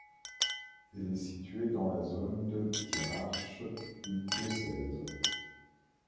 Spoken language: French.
Elle est située dans la zone de Thiérache du diocèse.